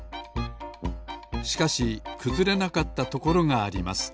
しかしくずれなかったところがあります。